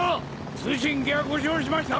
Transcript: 通信機が故障しました！